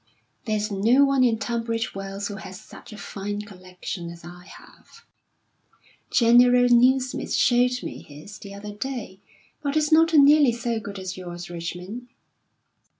"There's no one in Tunbridge Wells who has such a fine collection as I have." "General Newsmith showed me his the other day, but it's not nearly so good as yours, Richmond."